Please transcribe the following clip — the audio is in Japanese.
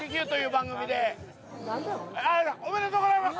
おめでとうございます！